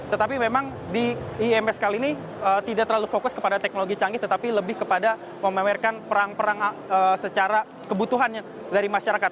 tetapi memang di ims kali ini tidak terlalu fokus kepada teknologi canggih tetapi lebih kepada memamerkan perang perang secara kebutuhan dari masyarakat